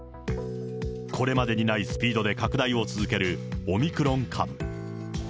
これまでにないスピードで拡大を続ける、オミクロン株。